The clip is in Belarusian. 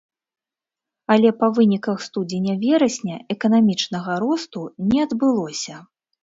Але па выніках студзеня-верасня эканамічнага росту не адбылося.